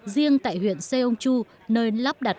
riêng tại huyện seongju nơi lắp đặt